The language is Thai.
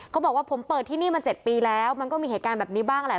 เขาบอกว่าผมเปิดที่นี่มา๗ปีแล้วมันก็มีเหตุการณ์แบบนี้บ้างแหละ